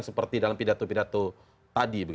seperti dalam pidato pidato tadi